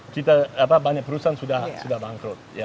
kita banyak perusahaan sudah bangkrut